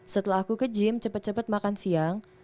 setelah aku ke gym cepet cepet makan siang